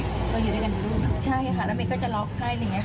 ก็อยู่ด้วยกันด้วยลูกใช่ค่ะแล้วไม่ก็จะล็อกได้หรืออย่างเงี้ย